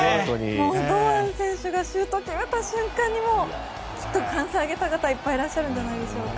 堂安選手がシュート決めた瞬間にきっと歓声を上げた方いっぱいいるんじゃないでしょうか。